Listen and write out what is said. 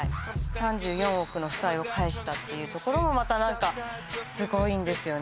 ３４億の負債を返したっていうところもまた何かすごいんですよね